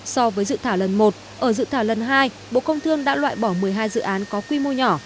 so với dự thảo lần một ở dự thảo lần hai bộ công thương đã loại bỏ một mươi hai dự án có quy mô nhỏ